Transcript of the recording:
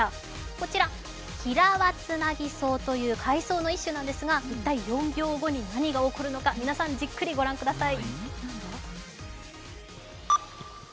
こちらヒラワツナギソウという海藻の一種なんですが一体４秒後に何が起こるのか皆さんじっくりご覧ください。